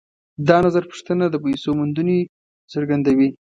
دا نظرپوښتنه د پیسو موندنې څرګندوي